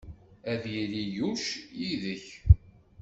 Ad yili Yuc yid-k!